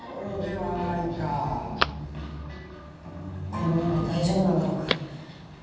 こんなんで大丈夫なんだろうか。